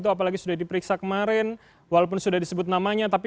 apalagi sudah diperiksa kemarin walaupun sudah disebut namanya